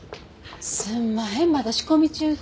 すんまへんまだ仕込み中で。